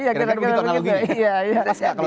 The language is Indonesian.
ya kira kira begitu